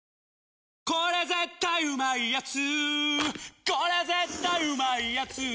「日清これ絶対うまいやつ」